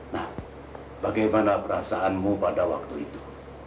nah bagaimana perasaanmu pada waktu itu